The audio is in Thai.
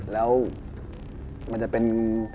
แล้วมันจะเป็น